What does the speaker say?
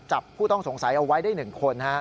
ผู้ต้องสงสัยเอาไว้ได้๑คน